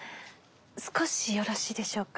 少しよろしいでしょうか？